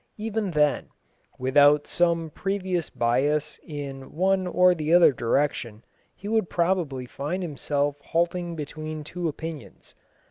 Even then, without some previous bias in one or the other direction, he would probably find himself halting between two opinions.